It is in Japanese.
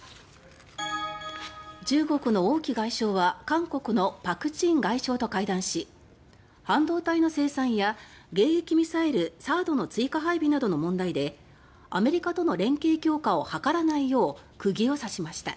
中国の王毅外相は韓国のパク・チン外相と会談し半導体の生産や迎撃ミサイルＴＨＡＡＤの追加配備などの問題でアメリカとの連携強化を図らないようクギを刺しました。